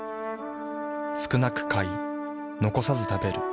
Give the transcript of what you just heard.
少なく買い残さず食べる。